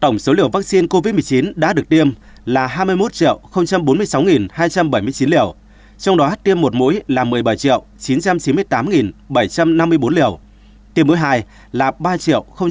tổng số liều vắc xin covid một mươi chín đã được tiêm là hai mươi một bốn mươi sáu hai trăm bảy mươi chín liều trong đó tiêm một mũi là một mươi bảy chín trăm chín mươi tám bảy trăm năm mươi bốn liều tiêm mũi hai là ba bốn mươi bảy năm trăm hai mươi năm liều